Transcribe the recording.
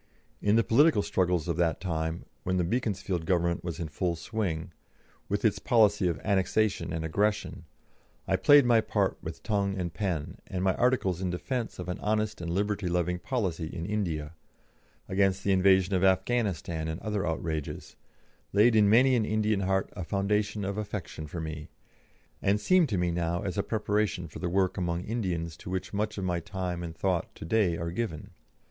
In the political struggles of that time, when the Beaconsfield Government was in full swing, with its policy of annexation and aggression, I played my part with tongue and pen, and my articles in defence of an honest and liberty loving policy in India, against the invasion of Afghanistan and other outrages, laid in many an Indian heart a foundation of affection for me, and seem to me now as a preparation for the work among Indians to which much of my time and thought to day are given.